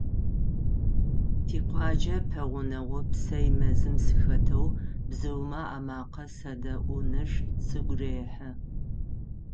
Тикъуаджэ пэгъунэгъу псэй мэзым сыхэтэу бзыумэ амакъэ седэӀуныр сыгу рехьы.